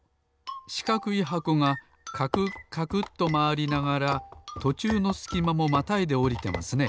しかくい箱がカクカクとまわりながらとちゅうのすきまもまたいでおりてますね。